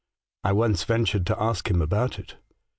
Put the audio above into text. I once ventured to ask him about it.